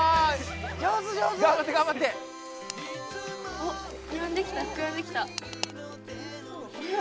おっ膨らんできた膨らんできた。